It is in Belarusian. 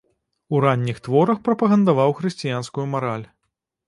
У ранніх творах прапагандаваў хрысціянскую мараль.